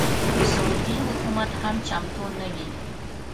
سعودي حکومت هم چمتو نه وي.